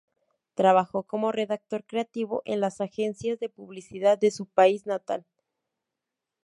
Trabajó como redactor creativo en las agencias de publicidad de su país natal.